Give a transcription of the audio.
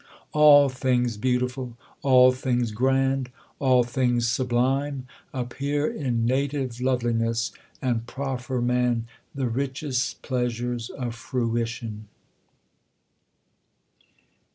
All things beautiful, all things grand, all things sublime , appear in native love liness, and proffer man the richest pleasures of fruition.